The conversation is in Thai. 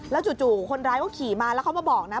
จู่คนร้ายก็ขี่มาแล้วเขามาบอกนะ